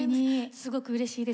すごくうれしいです。